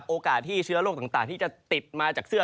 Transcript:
โอกาสที่เชื้อโรคต่างที่จะติดมาจากเสื้อ